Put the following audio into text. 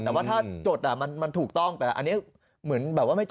แต่ว่าถ้าจดมันถูกต้องแต่อันนี้เหมือนแบบว่าไม่จ